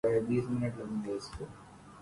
‘ روز روشن کی طرح ثابت ہو گئی ہے۔